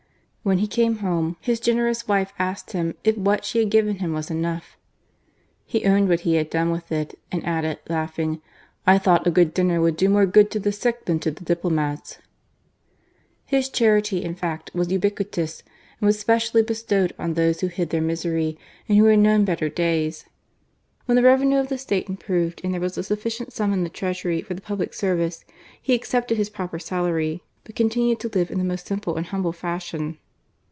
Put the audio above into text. When he came home, his generous wife asked him if what she had given him was enough ? He owned what he had done with it, and added, laughing :" I thought a good dinner would do more good to the sick than to the diplomats !" »4<» GARCIA MORENO. His charity, in fact, was ubiquitous, and was specially bestowed on those who hid their misery and who had known better days. When the revenue of the State improved and there was a sufficient sum in the Treasury for the public service, he accepted his proper salary, but con tinaed to live in the most simple and hamble JasbioQ.